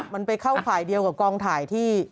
มันไปเข้าข่ายเดียวกับกองถ่ายที่